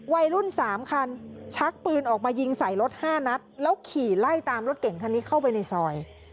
วัยรุ่น๓คันชักปืนออกมายิงใส่รถ๕นัดแล้วขี่ไล่ตามรถเก่งคันนี้เข้าไปในซอย